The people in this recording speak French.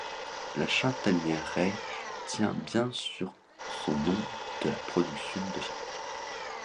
La Châtaigneraie tient bien sûr son nom de la production de châtaignes.